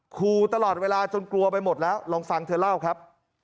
ครูตลอดเวลาจนกลัวไปหมดแล้วลองฟังเธอเล่าครับ